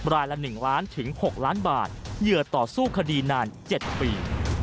รายละ๑ล้านถึง๖ล้านบาทเหยื่อต่อสู้คดีนาน๗ปี